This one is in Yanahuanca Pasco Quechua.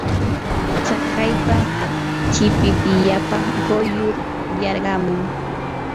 tsakaypa chipipillapa quyllur yarqamun.